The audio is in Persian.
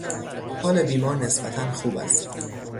حال بیمار نسبتا خوب است.